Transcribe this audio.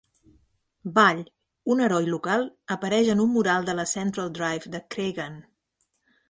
Ball, un heroi local, apareix en un mural de la Central Drive de Creggan.